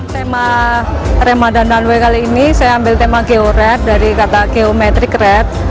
tema ramadan runway kali ini saya ambil tema georet dari kata geometric red